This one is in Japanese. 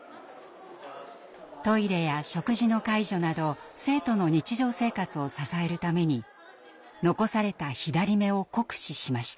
トイレや食事の介助など生徒の日常生活を支えるために残された左目を酷使しました。